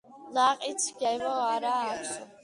ნაყიდს გემო არა აქვსო